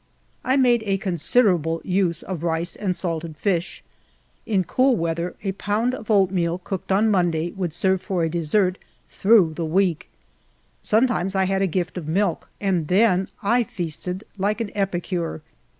1 made a considerable use of rice and salted iish. In cool weather, a ))ound of oatmeal cooked on Monday would serve for a dessert through the week. Sometimes i had a ^ift of milk, and then I feasted like an epicure.